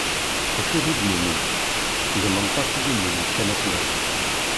D acu di d-nini? Yemmenṭaṭ yimi yeččan aslay.